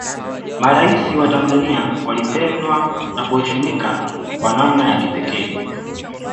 maraisi wa tanzania walipendwa na kuheshimika kwa namna ya kipekee